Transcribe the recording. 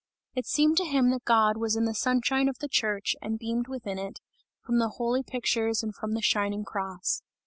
It seemed to him that God was in the sunshine of the church, and beamed within it, from the holy pictures and from the shining cross.